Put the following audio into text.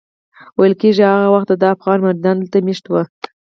ویل کېږي هغه وخت دده افغان مریدان دلته مېشت وو.